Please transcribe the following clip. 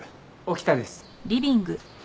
沖田です。